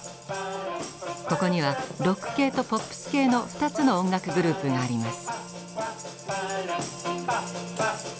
ここにはロック系とポップス系の２つの音楽グループがあります。